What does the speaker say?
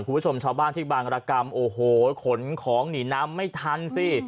คุณผู้ชมชาวบ้านที่บางรกรรมโอ้โหขนของหนีน้ำไม่ทันสิ